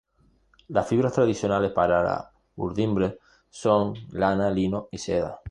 Las fibras tradicionales para la urdimbre son lana, lino y seda.